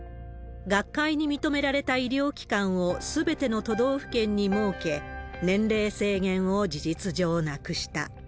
学会に認められた医療機関をすべての都道府県に設け、年齢制限を事実上なくした。